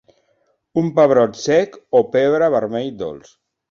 Un pebrot sec o pebre vermell dolç.